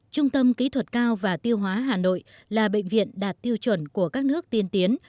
trung tâm kỹ thuật cao và tiêu hóa hà nội là bệnh viện đạt tiêu chuẩn của các nước tiên tiến